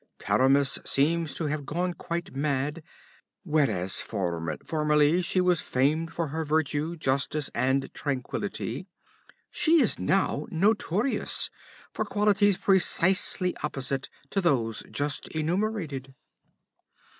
Taramis seems to have gone quite mad; whereas formerly she was famed for her virtue, justice and tranquillity, she is now notorious for qualities precisely opposite to those just enumerated.